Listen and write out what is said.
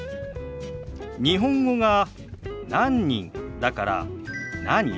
日本語が「何人」だから「何？」